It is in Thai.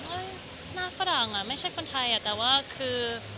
หน้าฝรั่งไม่ใช่คนไทยแต่ว่าคือ